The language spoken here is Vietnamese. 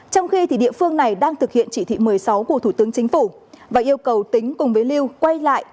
trong khi địa phương này đang thực hiện chỉ thị một mươi sáu của thủ tướng chính phủ và yêu cầu tính cùng với lưu quay lại